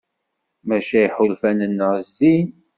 Maca iḥulfan-nneɣ zdin.